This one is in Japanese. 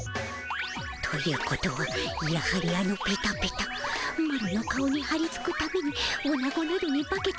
ということはやはりあのペタペタマロの顔にはりつくためにおなごなどに化けて電ボに近づいたでおじゃる。